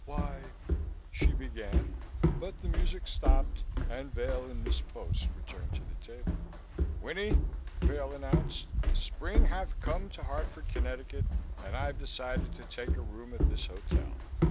"Why " she began, but the music stopped, and Vail and Miss Post returned to the table. "Winnie," Vail announced, "spring hath come to Hartford, Conn., and I've decided to take a room at this hotel.